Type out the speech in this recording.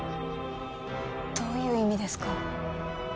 どういう意味ですか？